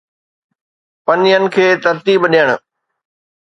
پن ين کي ترتيب ڏيڻ